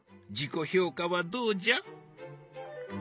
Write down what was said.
自己評価はどうじゃ？